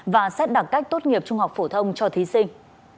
và xét đặc cách tốt nghiệp trung học phổ thông cho thí sinh